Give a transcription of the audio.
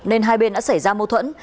nên hai bên đã xảy ra mâu thuẫn